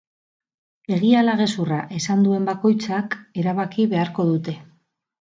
Egia ala gezurra esan duen bakoitzak erabaki beharko dute.